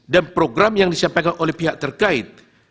dan program yang disampaikan oleh pihak terkait